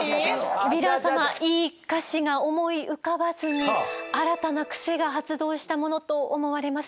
ヴィラン様いい歌詞が思い浮かばずに新たなクセが発動したものと思われます。